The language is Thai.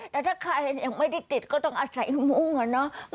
แต่ถ้าใครยังไม่ได้ติดก็ต้องอาศัยมุ่งอะเนาะ